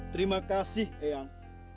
terima kasih eyang